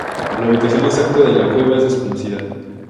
La ubicación exacta de la cueva es desconocida.